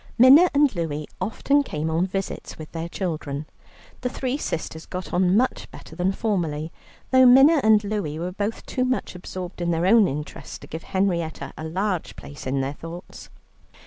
Minna and Louie often came on visits with their children. The three sisters got on much better than formerly, though Minna and Louie were both too much absorbed in their own interests to give Henrietta a large place in their thoughts.